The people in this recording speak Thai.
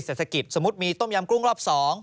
เสด็จสกิดสมมุติมีต้มยำกรุ้งรอบสอง